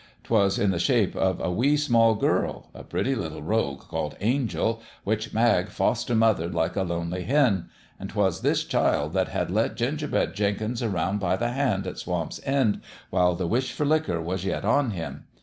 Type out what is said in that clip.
'Twas in the shape of a wee small girl a pretty little rogue called Angel which Mag foster mothered like a lonely hen ; an' 'twas this child that had led Gingerbread Jenkins around by the hand at Swamp's End while the wish for liquor was yet on him.